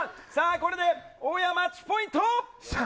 これで大矢、マッチポイント。